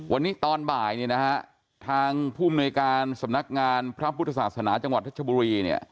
วันนี้ตอนบ่ายทางผู้อำนวยการสำนักงานพระพุทธศาสนาจังหวัดราชบุรี